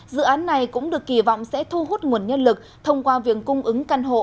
dự án này cũng được kỳ vọng sẽ thu hút nguồn nhân lực thông qua việc cung ứng căn hộ